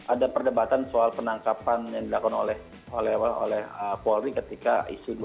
ada perdebatan soal penangkapan yang dilakukan oleh polri ketika isu dua ratus dua belas